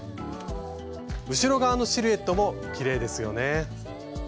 後ろ側のシルエットもきれいですよね。